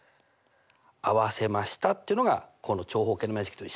合わせましたっていうのがこの長方形の面積と一緒になってますね。